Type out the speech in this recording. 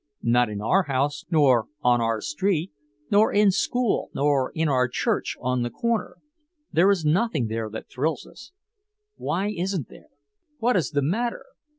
Not in our house nor on our street, nor in school nor in our church on the corner. There is nothing there that thrills us. Why isn't there? What is the matter?